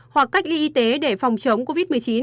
hoặc cách ly y tế để phòng chống covid một mươi chín